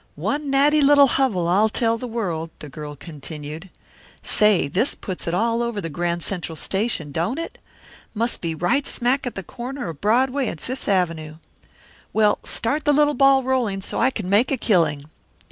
"One natty little hovel, I'll tell the world," the girl continued. "Say, this puts it all over the Grand Central station, don't it? Must be right smack at the corner of Broadway and Fifth Avenue. Well, start the little ball rolling, so I can make a killing."